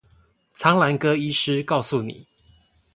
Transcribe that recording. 蒼藍鴿醫師告訴你